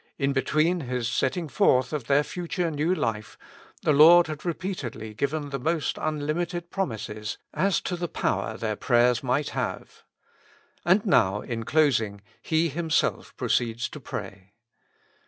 In between His setting forth of their future new life, the Lord had repeatedly given the most unlimited promises as to the power their prayers might have. And now in closing, He Himself proceeds to pray.